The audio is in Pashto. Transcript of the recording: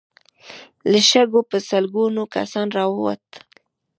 له شګو په سلګونو کسان را ووتل.